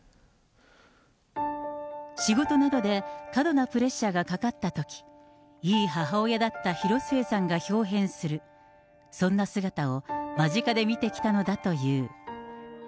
仕事などで過度なプレッシャーがかかったとき、いい母親だった広末さんがひょう変する、そんな姿を間近で見てきたのだという。